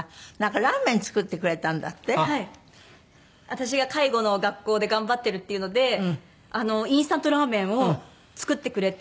私が介護の学校で頑張ってるっていうのでインスタントラーメンを作ってくれて。